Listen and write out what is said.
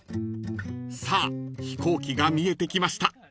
［さあ飛行機が見えてきました］